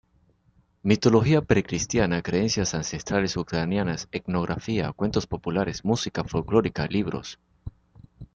Mitología precristiana, creencias ancestrales ucranianas, etnografía, cuentos populares, música folklórica, libros.